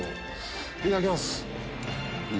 いただきます。